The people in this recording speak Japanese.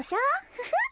フフッ。